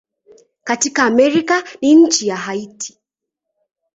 Katika Amerika ni nchi ya Haiti.